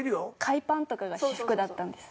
海パンとかが私服だったんです。